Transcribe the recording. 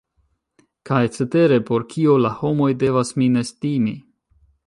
Kaj cetere por kio la homoj devas min estimi?